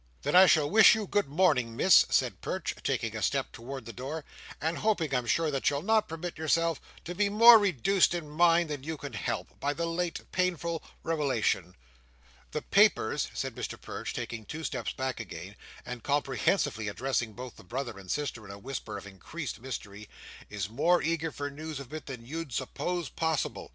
"Then I shall wish you good morning, Miss," said Perch, taking a step toward the door, and hoping, I'm sure, that you'll not permit yourself to be more reduced in mind than you can help, by the late painful rewelation. The Papers," said Mr Perch, taking two steps back again, and comprehensively addressing both the brother and sister in a whisper of increased mystery, "is more eager for news of it than you'd suppose possible.